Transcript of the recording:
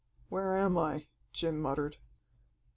"Where am I?" Jim muttered.